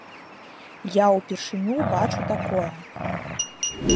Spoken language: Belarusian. Я ўпершыню бачу такое.